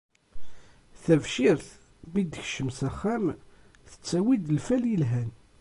Tabcirt mi d-tekcem s axxam, tettawi-d lfal yelhan